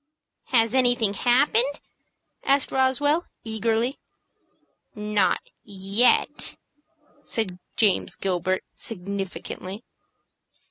"Has anything happened?" asked Roswell, eagerly. "Not yet," said James Gilbert, significantly.